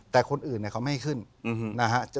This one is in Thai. แต่คนอื่นเนี่ยเขาไม่ให้ขึ้นนะฮะ